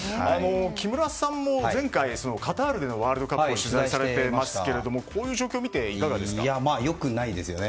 木村さんも前回カタールでのワールドカップを取材されてますがこういう状況を見て良くないですよね。